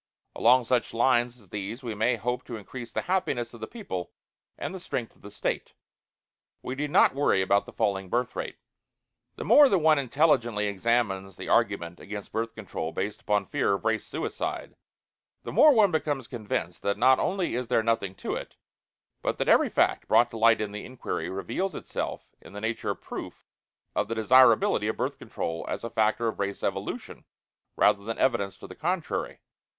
Along such lines as these we may hope to increase the happiness of the people and the strength of the State. We need not worry about the falling birth rate." The more that one intelligently examines the argument against Birth Control based upon fear of Race Suicide, the more one becomes convinced that not only is there "nothing to it," but that every fact brought to light in the inquiry reveals itself in the nature of proof of the desirability of Birth Control as a factor of Race Evolution, rather than evidence to the contrary.